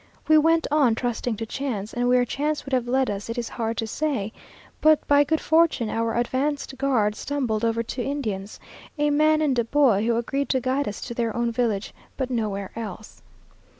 We went on, trusting to chance, and where chance would have led us it is hard to say; but by good fortune our advanced guard stumbled over two Indians, a man and a boy, who agreed to guide us to their own village, but nowhere else.